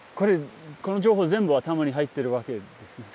この情報全部頭に入ってるわけですね？